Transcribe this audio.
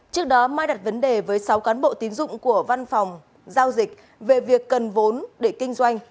trước đó mai đặt vấn đề với sáu cán bộ tín dụng của văn phòng giao dịch về việc cần vốn để kinh doanh